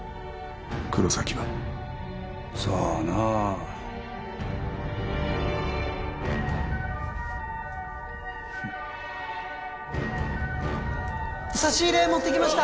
黒崎はさあな差し入れ持ってきました